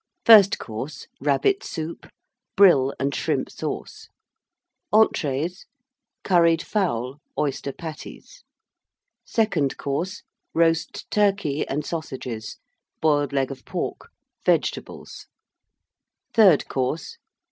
FIRST COURSE. Rabbit Soup. Brill and Shrimp Sauce. ENTREES. Curried Fowl. Oyster Patties. SECOND COURSE. Roast Turkey and Sausages. Boiled Leg of Pork. Vegetables. THIRD COURSE.